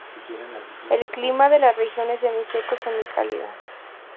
El clima de la región es semiseco-semicálido.